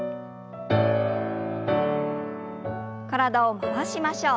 体を回しましょう。